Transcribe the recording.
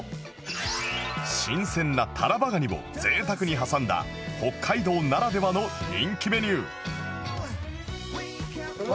新鮮なタラバガニを贅沢に挟んだ北海道ならではの人気メニュー